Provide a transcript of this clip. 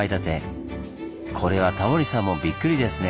これはタモリさんもびっくりですね。